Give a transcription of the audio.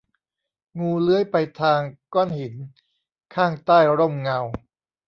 งูเลื้อยไปทางก้อนหินข้างใต้ร่มเงา